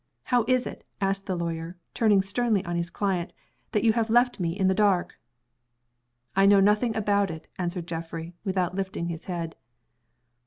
How is it," asked the lawyer, turning sternly on his client, "that you have left me in the dark?" "I know nothing about it," answered Geoffrey, without lifting his head.